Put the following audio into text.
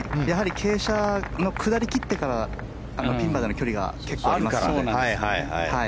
傾斜の下り切ってからピンまでの距離が結構ありますから。